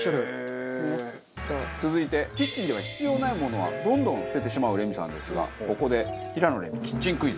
続いてキッチンでは必要ないものはどんどん捨ててしまうレミさんですがここで平野レミキッチンクイズ。